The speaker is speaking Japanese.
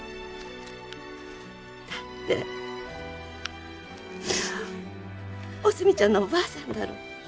だっておすみちゃんのおばあさんだろ。